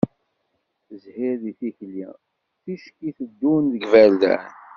Zhir di tikli ticki teddun deg iberdan.